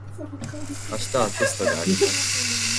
明日はテストがあります。